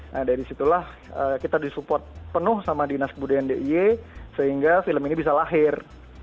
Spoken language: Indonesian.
nah dari situlah kita disupport penuh sama dinas kebudayaan d i e sehingga film ini bisa lahir